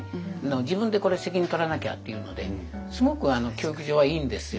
自分で責任とらなきゃっていうのですごく教育上はいいんですよ。